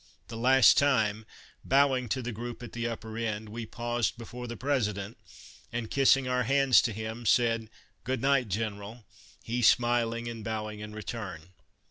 The last time, bowing to the group at the upper end, we paused before the m me White House in Old Hlckorv's Dav President, and kissing our hands to him said, " Good night, General "; he smiling and bowing in return.